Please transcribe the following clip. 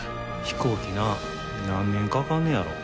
飛行機な何年かかんねやろ。